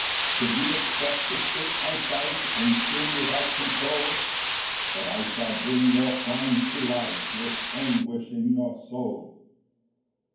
4 "Could you expect to 'scape my sight, "And sin without control? "But I shall bring your crimes to light, "With anguish in your soul."